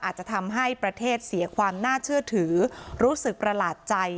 อาจจะทำให้ประเทศเสียความน่าเชื่อถือรู้สึกประหลาดใจ